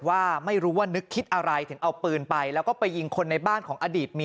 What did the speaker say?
ว่าไม่รู้ว่านึกคิดอะไรถึงเอาปืนไปแล้วก็ไปยิงคนในบ้านของอดีตเมีย